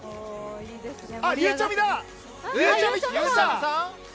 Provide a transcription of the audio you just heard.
ゆうちゃみだ！